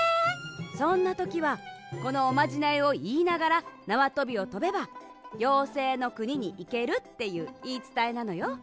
そんなときはこのおまじないをいいながらなわとびをとべばようせいのくににいけるっていういいつたえなのよ。